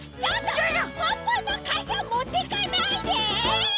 ポッポのかさもってかないで！